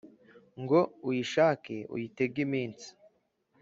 Ngo uyishake uyitege iminsi